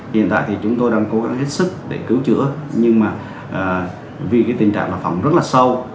hiện tại chúng tôi đang cố gắng hết sức để cứu chữa nhưng vì tình trạng là phỏng rất là sâu